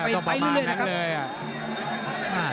ต้องประมาณนั้นเลย